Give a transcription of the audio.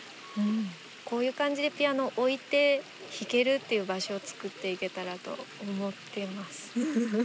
こういう感じでピアノ置いて弾けるっていう場所をつくっていけたらと思ってます。